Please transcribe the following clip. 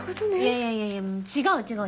いやいやいや違う違う違う。